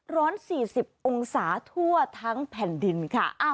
ร้อน๔๐องศาทั่วทั้งแผ่นดินค่ะ